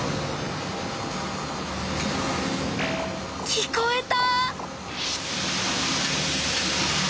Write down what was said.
聞こえた！